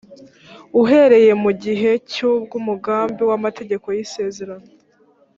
uhereye mu gihe cy’ubw’umugambi w’amategeko y’isezerano